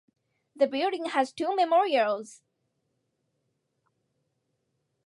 The building has two memorials.